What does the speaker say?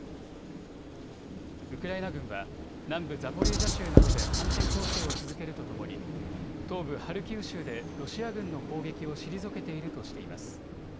ウクライナ軍は南部ザポリージャ州などで反転攻勢を続けるとともに東部ハルキウ州でロシア軍の攻撃を退けているとしています。